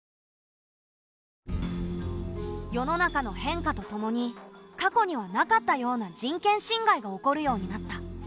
世の中の変化とともに過去にはなかったような人権侵害が起こるようになった。